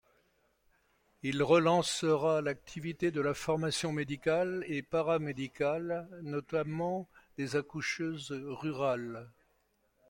Il relancera l’activité de la formation médicale et paramédicale, notamment des accoucheuses rurales..